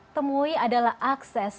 temui adalah akses